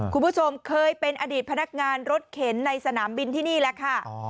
คุณผู้ชมเคยเป็นอดีตพนักงานรถเข็นในสนามบินที่นี่แหละค่ะ